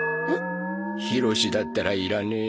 ひろしだったらいらねえ。